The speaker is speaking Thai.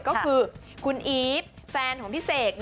ก็คือคุณอีฟแฟนของพี่เสก